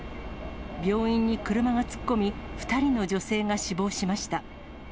病院に車が突っ込み、２人の女性が死亡しました。